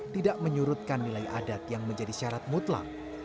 tidak menyurutkan nilai adat yang menjadi syarat mutlak